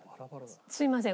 すいません。